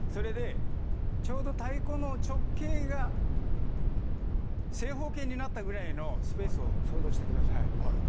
ちょうど太鼓の直径が正方形になったくらいのスペースを想像してください。